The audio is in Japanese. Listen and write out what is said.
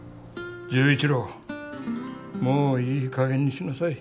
十一郎もういい加減にしなさい。